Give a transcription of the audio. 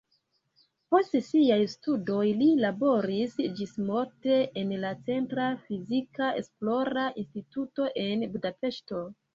Post siaj studoj li laboris ĝismorte en la centra fizika esplora instituto en Budapeŝto.